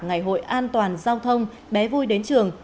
ngày hội an toàn giao thông bé vui đến trường